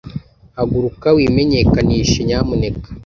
Haguruka wimenyekanishe, nyamuneka.